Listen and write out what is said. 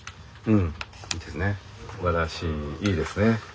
うんいいですね。